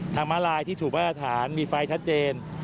มาลายที่ถูกมาตรฐานมีไฟชัดเจน